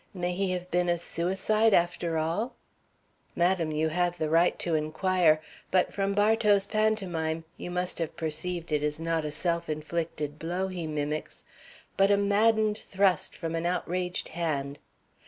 May he have been a suicide after all?" "Madam, you have the right to inquire; but from Bartow's pantomime, you must have perceived it is not a self inflicted blow he mimics, but a maddened thrust from an outraged hand.